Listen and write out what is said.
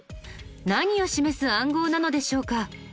何を示す暗号なのでしょうか？